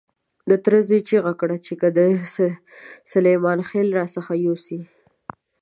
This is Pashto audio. د تره زوی چیغه کړه چې که دې سلیمان خېل را څخه يوسي.